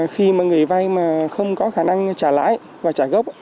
khi mà người vay mà không có khả năng trả lãi và trả gốc